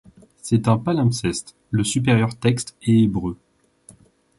C'est un palimpseste, le supérieur texte est Hébreu.